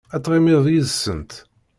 Ad ttɣimiɣ yid-sent.